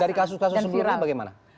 dari kasus kasus sendiri bagaimana